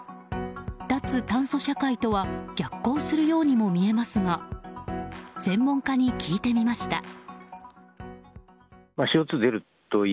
脱炭素社会とは逆行するようにも見えますが専門家に聞いてみました。